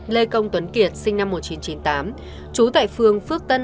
lê công tuấn kiệt sinh năm một nghìn chín trăm chín mươi tám trú tại phương phước tân